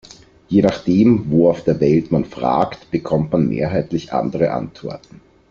Je nachdem, wo auf der Welt man fragt, bekommt man mehrheitlich andere Antworten.